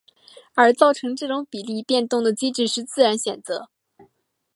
而造成这种比例变动的机制是自然选择。